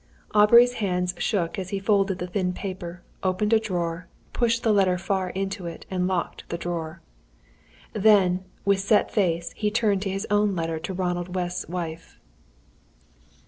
Aubrey's hands shook as he folded the thin paper, opened a drawer, pushed the letter far into it, and locked the drawer. Then, with set face, he turned to his own letter to Ronald West's wife.